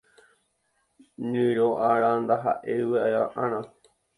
Ñyrõ Ára ndahaʼéi vyʼaʼỹ ára.